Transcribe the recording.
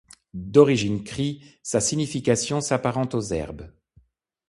D’origine Cri, sa signification s’apparente aux herbes.